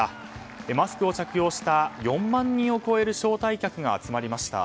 マスクを着用した４万人を超える招待客が集まりました。